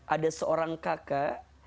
ada seorang kakak